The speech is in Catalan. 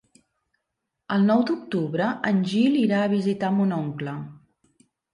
El nou d'octubre en Gil irà a visitar mon oncle.